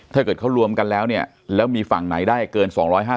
ถ้าเกิดเขารวมกันแล้วเนี่ยแล้วมีฝั่งไหนได้เกิน๒๕๐